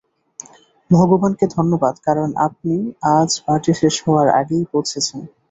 ভগবানকে ধন্যবাদ কারন আপনি আজ, পার্টি শেষ হওয়ার আগেই পৌঁছেছেন।